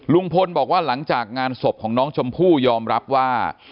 ลุงพลบอกว่าหลังจากงานศพของน้องชมพู่ยอมรับว่า